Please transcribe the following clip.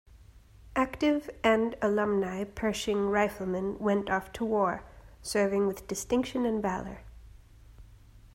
Active and alumni Pershing Riflemen went off to war, serving with distinction and valor.